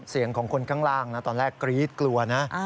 เสียงของคนข้างล่างนะตอนแรกกรี๊ดกลัวนะ